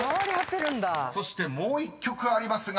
［そしてもう１曲ありますが］